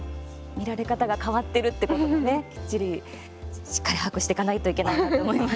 見られ方が変わってるってこともね、きっちりしっかり把握していかないといけないなと思いました。